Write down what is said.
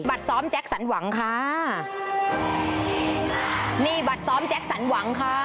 บัตรซ้อมแจ็คสันหวังค่ะ